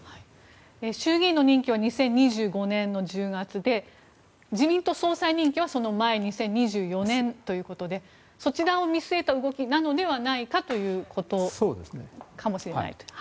衆議院の任期は２０２５年１０月で自民党総裁任期はその前、２０２４年ということでそちらを見据えた動きなのではないかということかもしれないと。